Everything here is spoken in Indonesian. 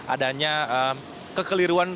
adanya kekeliruan perusahaan